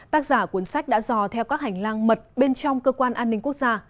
tác giả cuốn sách đã dò theo các hành lang mật bên trong cơ quan an ninh quốc gia